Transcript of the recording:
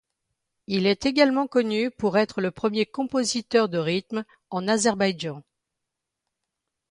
Il est également connu pour être le premier compositeur de rythme en Azerbaïdjan.